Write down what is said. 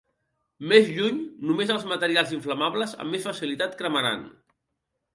Més lluny, només els materials inflamables amb més facilitat cremaran.